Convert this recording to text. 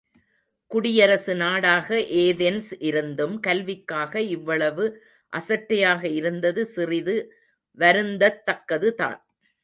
குடியரசு நாடாக ஏதென்ஸ் இருந்தும், கல்விக்காக இவ்வளவு அசட்டையாக இருந்தது சிறிது வருந்தத்தக்கதுதான்.